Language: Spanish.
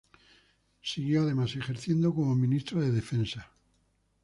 Siguió además ejerciendo como ministro de Defensa.